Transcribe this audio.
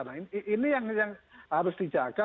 nah ini yang harus dijaga